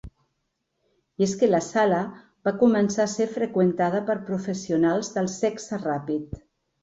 I és que la sala va començar a ser freqüentada per professionals del sexe ràpid.